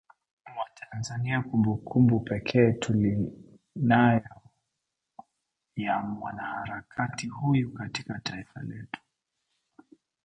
Watanzania Kumbukumbu pekee tulinayo ya Mwanaharakati huyu katika taifa letu